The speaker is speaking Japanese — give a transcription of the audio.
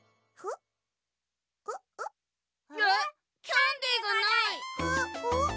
キャンデーがない！